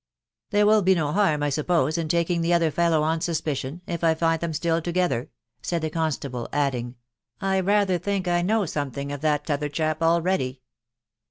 " There will be no harm, I suppose, in taking the other fellow on suspicion, if I find them still together? said the constable ; adding, " I rather think I know something of that t'other chap already."